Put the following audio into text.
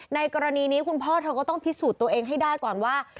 ในกรณีนี้คุณพ่อเธอก็ต้องพิสูจน์ตัวเองให้ได้ก่อนว่า